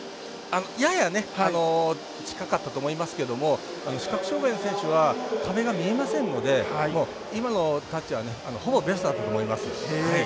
やや近かったと思いますが視覚障がいの選手は壁が見えませんのでもう今のタッチはほぼベストだと思います。